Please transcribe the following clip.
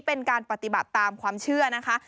เป็นการปฏิบัติตามความเชื่อนะคะ